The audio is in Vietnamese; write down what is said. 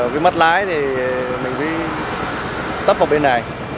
cái mất lái thì mình mới tấp vào bên này